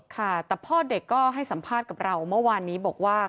ค่ะแต่พ่อเด็กก็ให้สัมภาษณ์กับเราเมื่อวานนี้บอกว่า